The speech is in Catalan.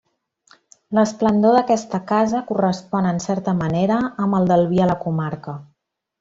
L'esplendor d'aquesta casa correspon, en certa manera, amb el del vi a la comarca.